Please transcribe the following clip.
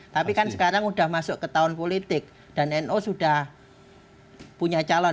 tapi kan sekarang sudah masuk ke tahun politik dan no sudah punya calon